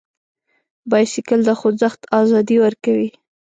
بایسکل د خوځښت ازادي ورکوي.